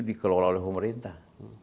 dikelola oleh pemerintah